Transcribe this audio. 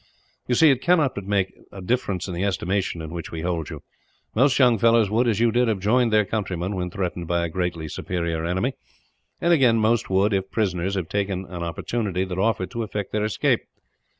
"You see, it cannot but make a difference in the estimation in which we hold you. Most young fellows would, as you did, have joined their countrymen when threatened by a greatly superior enemy and, again, most would, if prisoners, have taken any opportunity that offered to effect their escape.